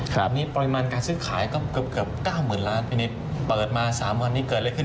ครับอันนี้ปริมาณการซื้อขายก็เกือบเกือบ๙หมื่นล้านทีนี้เปิดมา๓วันนี้เกิดแล้วขึ้น